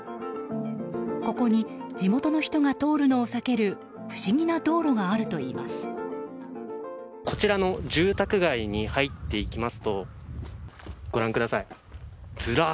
ここに地元の人が通るのを避ける不思議な道路があるといいます。